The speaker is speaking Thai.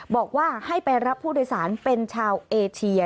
บอกว่าให้ไปรับผู้โดยสารเป็นชาวเอเชีย